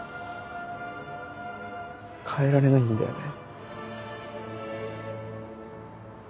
変えられないんだよね。